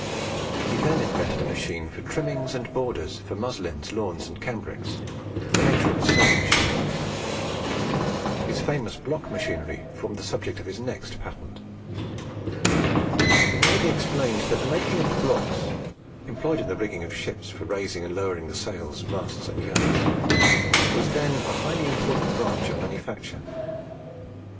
He then invented a machine for trimmings and borders for muslins, lawns, and cambrics, of the nature of a sewing machine. His famous block machinery formed the subject of his next patent. It may be explained that the making of the blocks employed in the rigging of ships for raising and lowering the sails, masts, and yards, was then a highly important branch of manufacture.